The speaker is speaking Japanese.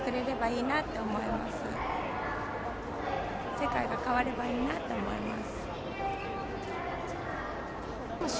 世界が変わればいいなと思います。